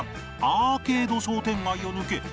アーケード商店街を抜け